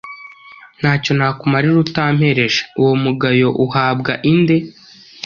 Nta cyo nakumarira utampereje. Uwo mugayo uhabwa inde?